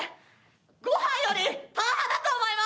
ご飯よりパン派だと思います。